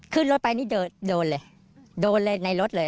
ขึ้นรถไปนี่โดนเลยโดนเลยในรถเลย